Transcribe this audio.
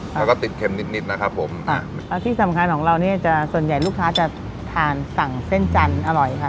แล้วก็ติดเข็มนิดนิดนะครับผมอ่ะแล้วที่สำคัญของเราเนี่ยจะส่วนใหญ่ลูกค้าจะทานสั่งเส้นจันทร์อร่อยค่ะ